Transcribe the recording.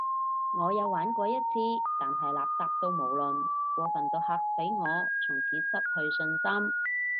我有玩過一次，但係垃圾到無倫，過份到嚇死我，從此失去信心